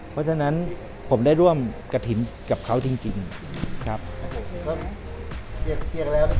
เพราะฉะนั้นผมได้ร่วมกระถิ่นกับเขาจริงครับผม